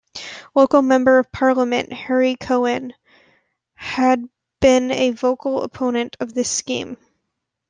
Local Member of Parliament Harry Cohen had been a vocal opponent of this scheme.